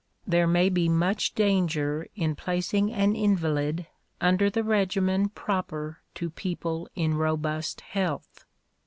There may be much danger in placing an invalid under the regimen proper to people in robust health.